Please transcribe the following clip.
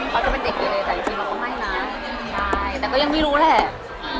เขาจะเป็นเด็กดีเลยแต่จริงเราก็ไม่นะใช่แต่ก็ยังไม่รู้แหละ